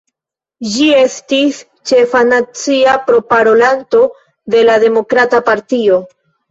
Ĝi estis ĉefa nacia proparolanto de la Demokrata Partio.